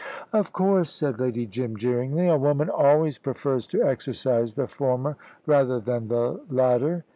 "Of course," said Lady Jim, jeeringly; "a woman always prefers to exercise the former rather than the latter."